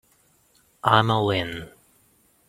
I'm all in.